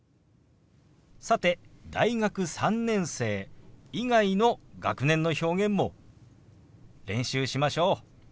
さて大学３年生以外の学年の表現も練習しましょう。